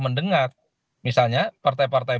mendengar misalnya partai partai